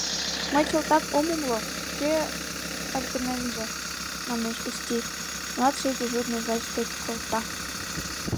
— Мый чылтак ом умыло: кӧ ажгыненже? — манеш Усти, младший дежурный врач дек колта.